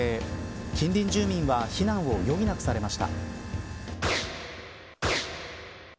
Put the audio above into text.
近隣住民は避難を余儀なくされました。